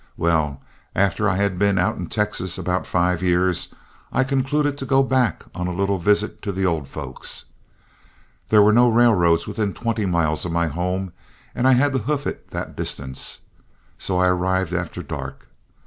Well, after I had been out in Texas about five years, I concluded to go back on a little visit to the old folks. There were no railroads within twenty miles of my home, and I had to hoof it that distance, so I arrived after dark.